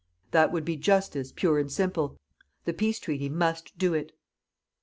That would be JUSTICE pure and simple: the peace treaty MUST do it.